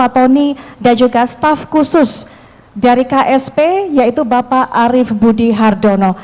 bapak tony dan juga staf khusus dari ksp yaitu bapak arief budi hardono